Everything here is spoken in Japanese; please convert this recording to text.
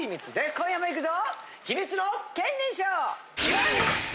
今夜もいくぞ！